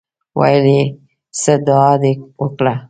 ویل یې څه دعا دې وکړه.